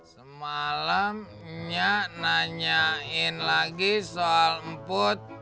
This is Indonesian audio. semalam nya nanyain lagi soal emput